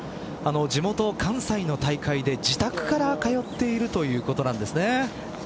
地元関西の大会で自宅から通っているということなんですね。